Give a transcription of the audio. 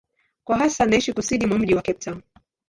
Kwa sasa anaishi kusini mwa mji wa Cape Town.